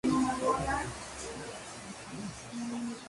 Microorganismo típico.